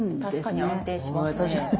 確かに安定しますね。